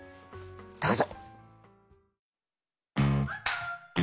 どうぞ。